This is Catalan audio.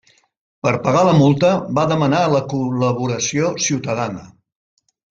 Per pagar la multa, va demanar la col·laboració ciutadana.